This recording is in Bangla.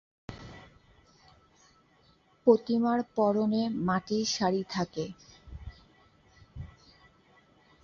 প্রতিমার পরনে মাটির শাড়ি থাকে।